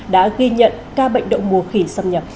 đã ghi nhận ca bệnh đậu mùa khỉ xâm nhập